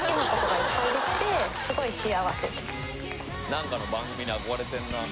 何かの番組に憧れてんな。